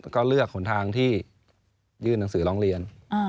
ก็เลือกหนทางที่ยื่นหนังสือร้องเรียน